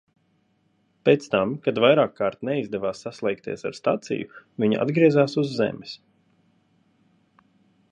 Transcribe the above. Pēc tam, kad vairākkārt neizdevās saslēgties ar staciju, viņi atgriezās uz Zemes.